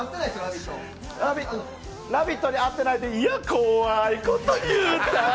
「ラヴィット！」に合ってないって怖いこと言うわ。